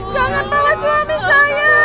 jangan bawa suami saya